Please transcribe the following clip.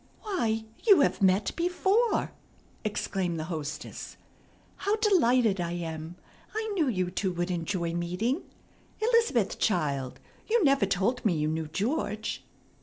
"Why, you have met before!" exclaimed the hostess. "How delighted I am! I knew you two would enjoy meeting. Elizabeth, child, you never told me you knew George."